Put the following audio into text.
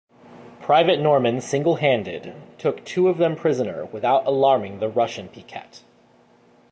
Private Norman single-handed, took two of them prisoner without alarming the Russian picquet.